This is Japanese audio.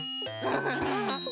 ンフフフ。